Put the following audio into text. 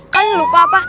kalian lupa apa